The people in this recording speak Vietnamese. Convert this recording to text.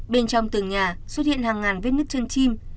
bên trong tường nhà xuất hiện hàng ngàn vết nứt chân chim